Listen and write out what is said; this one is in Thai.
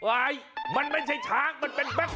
ไอ้มันไม่ใช่ช้างมันเป็นแบ็ค